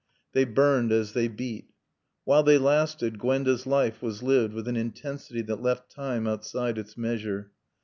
They burned as they beat. While they lasted Gwenda's life was lived with an intensity that left time outside its measure.